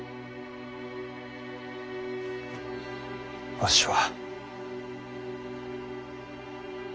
わしは。